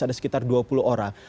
ada sekitar dua puluh orang